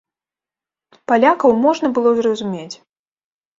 Палякаў можна было зразумець.